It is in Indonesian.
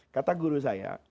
kata guru saya